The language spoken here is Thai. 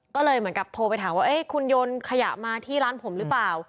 ก็เลยเหมือนกับโทรไปถามว่าคุณโยนขยะมาที่ร้านผมหรือเปล่า